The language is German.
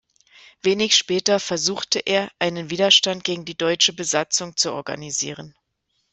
Wenig später versuchte er, einen Widerstand gegen die deutsche Besatzung zu organisieren.